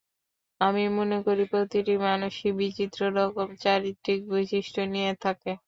আমি মনে করি, প্রতিটি মানুষই বিচিত্র রকম চারিত্রিক বৈশিষ্ট্য নিয়ে থাকে।